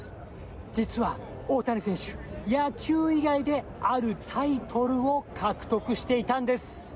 実は大谷選手、野球以外であるタイトルを獲得していたんです。